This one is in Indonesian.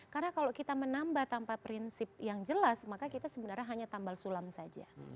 karena kalau kita menambah tanpa prinsip yang jelas maka kita sebenarnya hanya tambal sulam saja